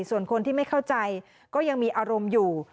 ส่วนคนที่ไม่เข้าใจก็ยังมีอารมณ์อยู่